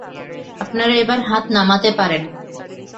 আপনারা এবার হাত নামাতে পারেন।